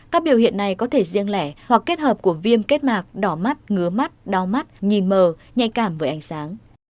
các biểu hiện này có thể riêng lẻ hoặc kết hợp của viêm kết mạc đỏ mắt ngứa mắt đau mắt nhìn mờ nhạy cảm với ánh sáng